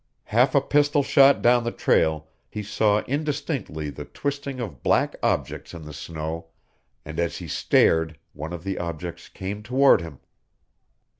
Half a pistol shot down the trail he saw indistinctly the twisting of black objects in the snow, and as he stared one of the objects came toward him.